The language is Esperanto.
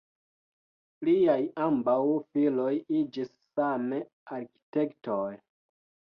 Liaj ambaŭ filoj iĝis same arkitektoj.